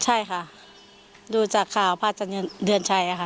ใช่ค่ะดูจากข่าวพระอาจารย์เดือนชัยค่ะ